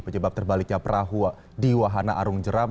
penyebab terbaliknya perahu di wahana arung jeram